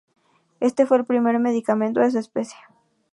Este fue el primer medicamento de su especie.